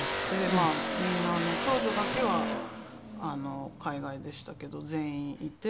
まあみんな長女だけは海外でしたけど全員いて。